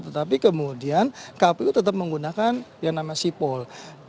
tetapi kemudian kpu tetap menggunakan yang nama sipol